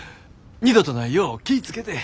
二度とないよう気ぃ付けて。